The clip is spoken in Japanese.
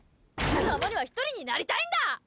たまには１人になりたいんだ！